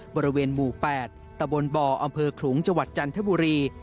บริเวณหมู่๘ตะบลบอำเภอขลุงจันทบุรี